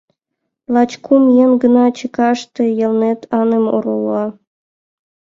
Лач кум еҥ гына чекаште Элнет аҥым орола.